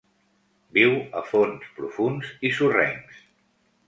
Viu a fons profunds i sorrencs.